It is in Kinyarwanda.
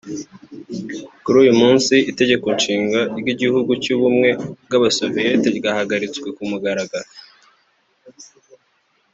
Kuri uyu munsi itegekonshinga ry’igihugu cy’ubumwe bw’abasovieti ryarahagaritswe ku mugaragaro